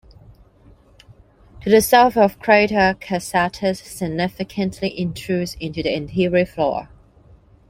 To the south the crater Casatus significantly intrudes into the interior floor.